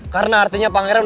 karena artinya pangeran udah